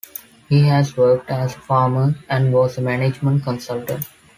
He has worked as a farmer, and was a management consultant.